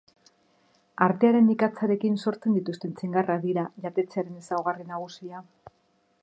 Artearen ikatzarekin sortzen dituzten txingarrak dira jatetxearen ezaugarri nagusia.